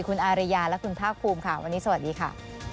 คุณอาริยาและคุณภาคภูมิค่ะวันนี้สวัสดีค่ะ